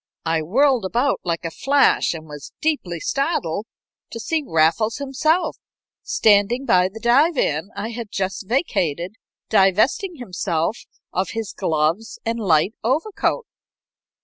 I whirled about like a flash, and was deeply startled to see Raffles himself standing by the divan I had just vacated, divesting himself of his gloves and light overcoat.